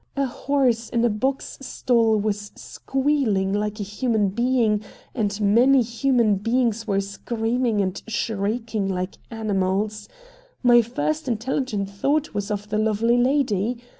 A horse in a box stall was squealing like a human being, and many human beings were screaming and shrieking like animals. My first intelligent thought was of the lovely lady.